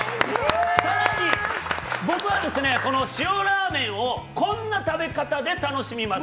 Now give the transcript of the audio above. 更に僕は塩ラーメンをこんな食べ方で楽しみます。